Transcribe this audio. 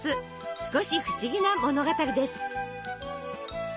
少し不思議な物語です。